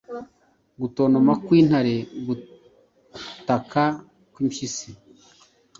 Gutontoma kw'intare, gutaka kw'impyisi,